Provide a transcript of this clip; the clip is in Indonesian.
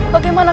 baik ibu nda